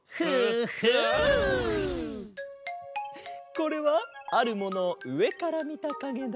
これはあるものをうえからみたかげだ。